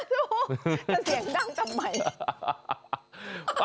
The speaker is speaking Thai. แต่เสียงดังจำใหม่